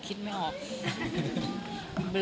คิดไม่ออกเบลอ